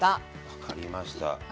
分かりました。